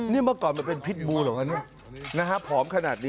นี่เมื่อก่อนมันเป็นพิษบูหรอพร้อมขนาดนี้